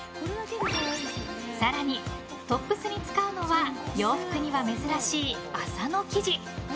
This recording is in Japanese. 更に、トップスに使うのは洋服には珍しい麻の生地。